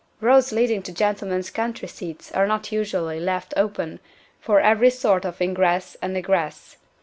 Roads leading to gentlemen's country seats are not usually left open for every sort of ingress and egress.